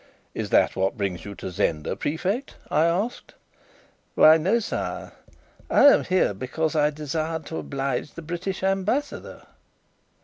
"Is that what brings you to Zenda, Prefect?" I asked. "Why no, sire; I am here because I desired to oblige the British Ambassador."